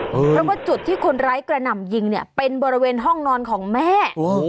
เพราะว่าจุดที่คนร้ายกระหน่ำยิงเนี่ยเป็นบริเวณห้องนอนของแม่